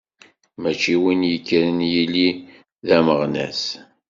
Mačči win yekkren yili d ameɣnas.